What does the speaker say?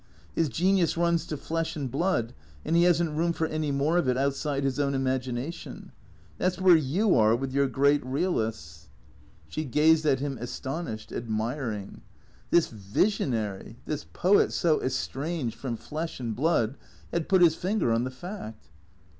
His genius runs to flesh and blood, and he has n't room for any more of it outside his own imagination. That 's where you are with your great realists." 196 THECEEATORS She gazed at him, astonished, admiring. This visionary, this poet so estranged from flesh and blood, had put his finger on the fact.